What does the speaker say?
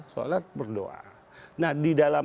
sholat berdoa nah di dalam